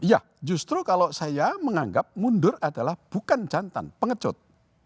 ya justru kalau saya menganggap mundur adalah bukan jantan pengecut